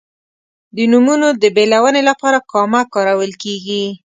د نومونو د بېلونې لپاره کامه کارول کیږي.